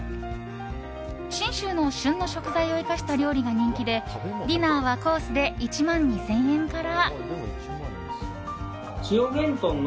信州の旬の食材を生かした料理が人気でディナーはコースで１万２０００円から。